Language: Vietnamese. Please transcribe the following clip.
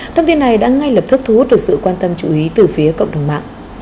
thông tin này đã ngay lập tức thu hút được sự quan tâm chú ý từ phía cộng đồng mạng